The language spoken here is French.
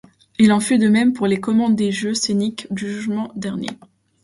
Il en fut de même pour les commandes des jeux scéniques du Jugement dernier.